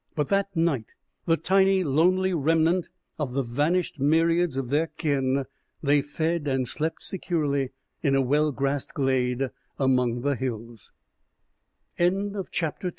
But that night, the tiny, lonely remnant of the vanished myriads of their kin, they fed and slept securely in a well grassed glade among t